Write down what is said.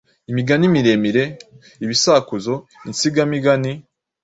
imigani miremire, ibisakuzo, insigamigani,